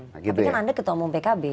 tapi kan anda ketemu pkb